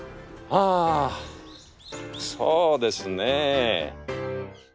あそうですね。